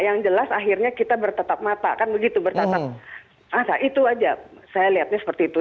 yang jelas akhirnya kita bertetap mata kan begitu bertetap masa itu aja saya lihatnya seperti itu